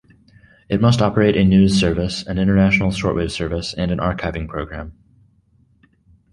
It must operate a news service, an international shortwave service and an archiving programme.